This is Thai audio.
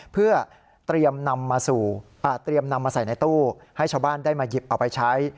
เพื่อเตรียมนำมาใส่ในตู้ให้ชาวบ้านได้มาหยิบเอาไปใช้